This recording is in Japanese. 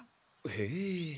へえ。